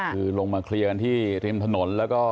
คือลงมาเคลียร์กันที่ริมถนนแล้วก็